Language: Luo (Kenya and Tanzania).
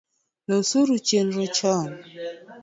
Losuru chenro chon